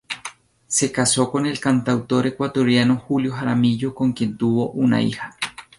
Se casó con el cantautor ecuatoriano Julio Jaramillo, con quien tuvo una hija.